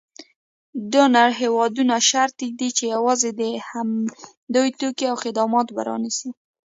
ډونر هېوادونه شرط ږدي چې یوازې د همدوی توکي او خدمات به رانیسي.